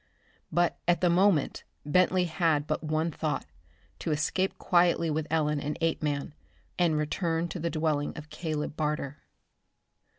But at the moment Bentley had but one thought: to escape quietly with Ellen and Apeman, and return to the dwelling of Caleb Barter.